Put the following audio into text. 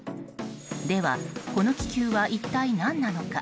では、この気球は一体何なのか？